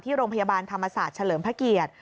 โรงพยาบาลธรรมศาสตร์เฉลิมพระเกียรติ